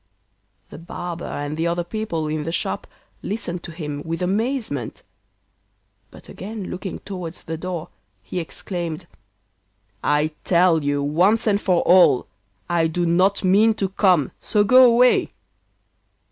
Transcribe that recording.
The barber and the other people in the shop listened to him with amazement. But again looking towards the door, he exclaimed: 'I tell you, once and for all, I do not mean to come, so go away.